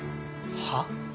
はっ？